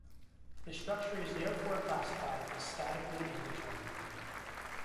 The structure is therefore classified as "statically indeterminate".